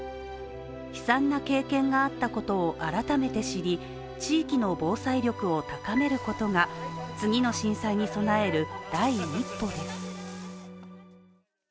悲惨な経験があったことを改めて知り地域の防災力を高めることが、次の震災に備える第一歩です。